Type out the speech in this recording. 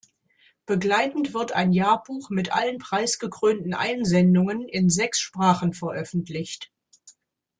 Begleitend wird ein Jahrbuch mit allen preisgekrönten Einsendungen in sechs Sprachen veröffentlicht.